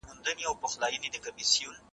ایا د اله اباد پوهنتون اصول تاته معلوم دي؟